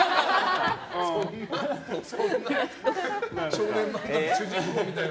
少年漫画の主人公みたいな。